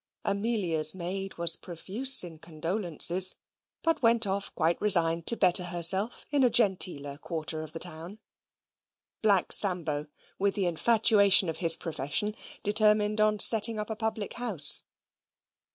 Amelia's maid was profuse in condolences, but went off quite resigned to better herself in a genteeler quarter of the town. Black Sambo, with the infatuation of his profession, determined on setting up a public house.